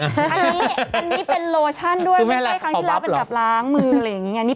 อันนี้เป็นโลชั่นด้วยข้างที่ลาบเป็นกับล้างมือหรืออย่างนี้